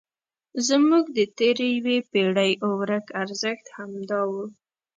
زموږ د تېرې یوې پېړۍ ورک ارزښت همدا و.